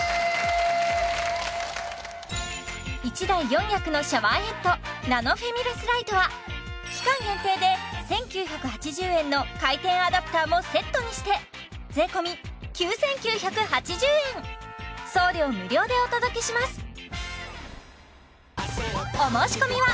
１台４役のシャワーヘッドナノフェミラスライトは期間限定で１９８０円の回転アダプターもセットにして税込９９８０円送料無料でお届けします